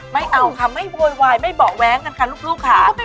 ไม่เอาค่ะไม่โวยวายไม่เบาะแว้งกันค่ะลูกค่ะ